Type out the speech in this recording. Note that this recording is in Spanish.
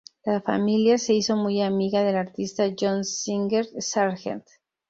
La familia se hizo muy amiga del artista John Singer Sargent.